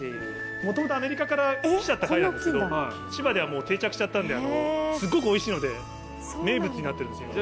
もともとアメリカから来ちゃった貝なんですけど、千葉ではもう定着しちゃったんで、すっごくおいしいので、名物になってるんですよ。